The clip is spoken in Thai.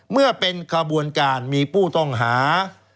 เมื่อเป็นขบวนการมีผู้ต้องหา